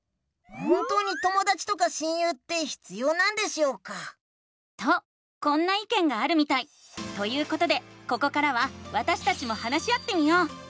本当にともだちとか親友って必要なんでしょうか？とこんないけんがあるみたい！ということでここからはわたしたちも話し合ってみよう！